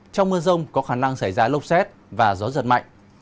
trong mưa rông có khả năng xảy ra lốc xét và gió giật mạnh